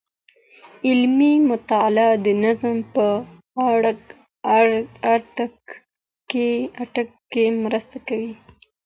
علمي مطالعه د نظم په راتګ کي مرسته کوي.